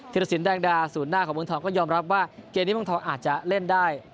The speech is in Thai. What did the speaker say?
รสินแดงดาศูนย์หน้าของเมืองทองก็ยอมรับว่าเกมนี้เมืองทองอาจจะเล่นได้